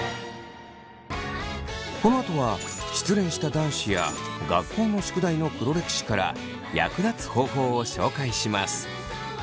このあとは失恋した男子や学校の宿題の黒歴史から役立つ方法を紹介します。